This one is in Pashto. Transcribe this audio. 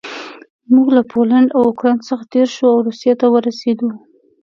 موږ له پولنډ او اوکراین څخه تېر شوو او روسیې ته ورسېدو